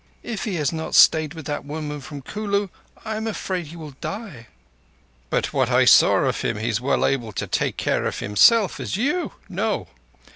If he has not stayed with that woman from Kulu, I am afraid he will die." "By what I saw of him he's as well able to take care of himself as you. No.